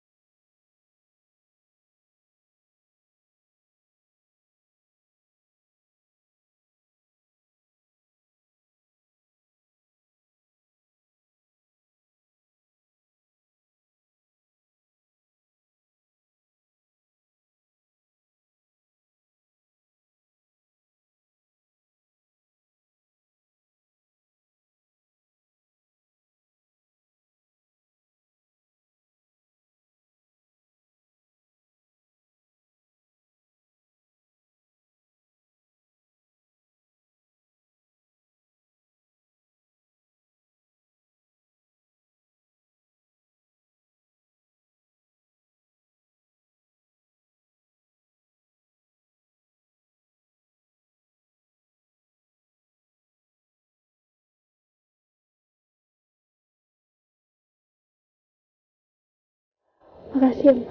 terima kasih mbak